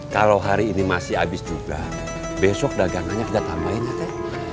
kalau hari ini masih habis jumlah besok dagangannya kita tambahin aja teh